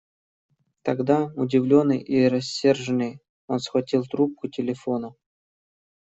Тогда, удивленный и рассерженный, он схватил трубку телефона.